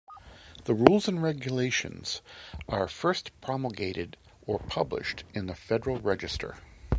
The rules and regulations are first promulgated or published in the "Federal Register".